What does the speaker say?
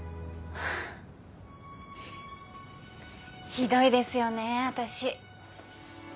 ひどいですよね私。